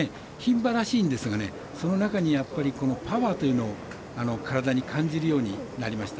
牝馬らしいんですが、その中にパワーというのを体に感じるようになりました。